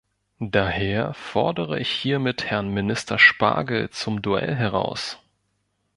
Daher fordere ich hiermit Herrn Minister Spargel zum Duell heraus!